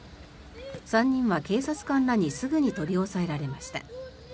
３人は警察官らにすぐに取り押さえられました。